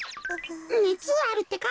ねつはあるってか？